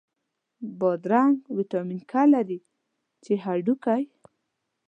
بادرنګ ویټامین K لري، چې هډوکی